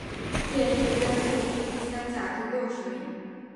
殿试登进士第三甲第六十名。